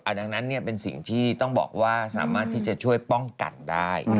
ดังนั้นเป็นสิ่งที่ต้องบอกว่าสามารถที่จะช่วยป้องกันได้